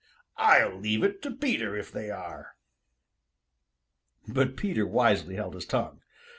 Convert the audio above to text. I'll leave it to Peter if they are." But Peter wisely held his tongue.